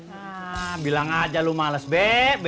nah bilang aja lu males be